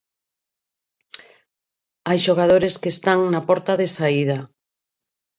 Hai xogadores que están na porta de saída.